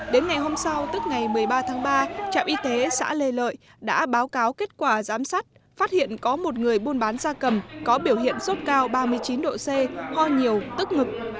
đến ngày hôm sau tức ngày một mươi ba tháng ba trạm y tế xã lê lợi đã báo cáo kết quả giám sát phát hiện có một người buôn bán da cầm có biểu hiện sốt cao ba mươi chín độ c ho nhiều tức ngực